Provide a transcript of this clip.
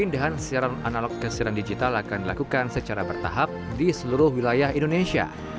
dan siaran analog ke siaran digital akan dilakukan secara bertahap di seluruh wilayah indonesia